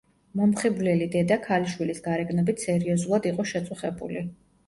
მომხიბვლელი დედა ქალიშვილის გარეგნობით სერიოზულად იყო შეწუხებული.